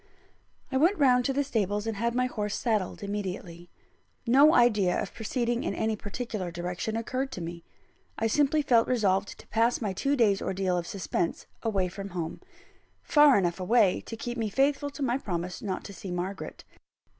I went round to the stables, and had my horse saddled immediately. No idea of proceeding in any particular direction occurred to me. I simply felt resolved to pass my two days' ordeal of suspense away from home far enough away to keep me faithful to my promise not to see Margaret.